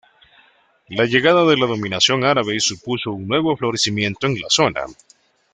La llegada de la dominación árabe supuso un nuevo florecimiento en la zona.